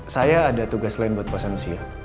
saya ada tugas lain buat pak sanusi ya